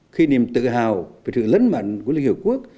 khi niềm tự hào về sự lấn mạnh của liên hiệp quốc